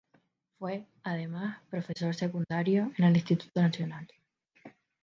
Fue, además, profesor secundario en el Instituto Nacional.